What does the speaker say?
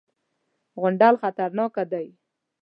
_غونډل خطرناکه دی.